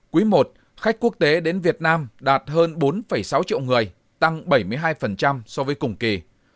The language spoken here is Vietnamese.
quý i khách quốc tế đến việt nam đạt hơn bốn sáu triệu người tăng bảy mươi hai so với cùng kỳ